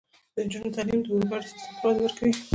د نجونو تعلیم د اورګاډي سیستم ته وده ورکوي.